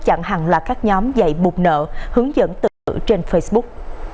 chẳng hẳn là các nhóm dạy bùng nợ hướng dẫn tự tử trên facebook